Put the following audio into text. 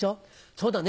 そうだね。